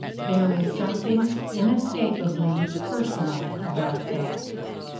There is something inescapably personal about that.